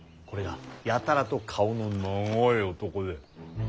これがやたらと顔の長い男で。